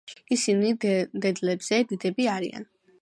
ისინი დედლებზე დიდები არიან.